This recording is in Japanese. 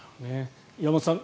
岩本さん